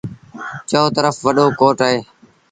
چئو ترڦ وڏو ڪوٽ اهي۔